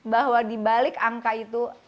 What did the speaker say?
bahwa dibalik angka itu